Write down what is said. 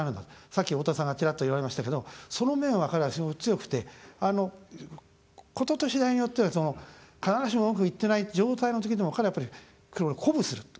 さっき大田さんがちらっと言われましたけどその面は、彼はすごく強くて事と次第によっては、必ずしもうまくいってない状態のときでも彼は、やっぱり鼓舞すると。